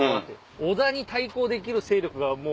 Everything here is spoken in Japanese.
織田に対抗できる勢力がもう。